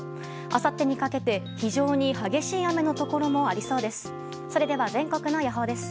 あさってにかけて非常に激しい雨のところもありそうです。